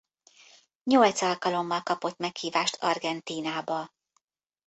Nyolc alkalommal kapott meghívást Argentínába.